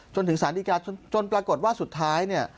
จนถึงศาลนิกาจนปรากฏว่าสุดท้าย